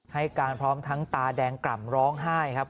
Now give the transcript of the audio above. ให้การพร้อมทั้งตาแดงกล่ำร้องไห้ครับ